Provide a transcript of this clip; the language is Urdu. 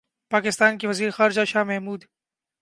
پاکستان کے وزیر خارجہ شاہ محمود